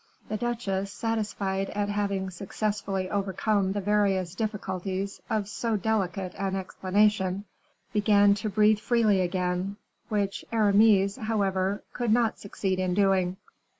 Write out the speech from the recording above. The duchesse, satisfied at having successfully overcome the various difficulties of so delicate an explanation, began to breathe freely again, which Aramis, however, could not succeed in doing.